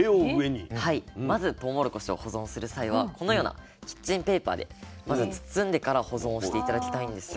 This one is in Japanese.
まずとうもろこしを保存する際はこのようなキッチンペーパーでまず包んでから保存をして頂きたいんですが。